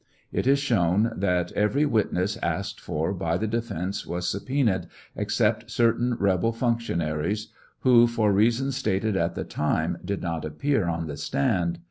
It is shown that every witness asked for by the defence was subpoenaed, except certain rebel functionaries, who, for reasons stated at the time, did not appear on the stand.